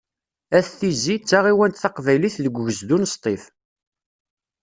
Ayt Tizi d taɣiwant taqbaylit deg ugezdu n Sṭif.